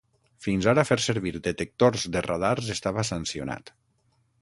Fins ara fer servir detectors de radars estava sancionat.